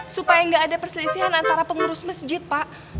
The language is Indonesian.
supaya nggak ada perselisihan antara pengurus masjid pak